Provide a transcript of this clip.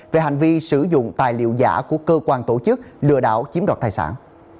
về hành vi sử dụng tài liệu giả của cơ quan tổ chức lừa đảo chiếm đoạt tài sản